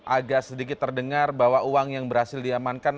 agak sedikit terdengar bahwa uang yang berhasil diamankan